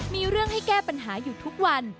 มีเรื่องให้แก้ปัญหาอยู่ทุกวัน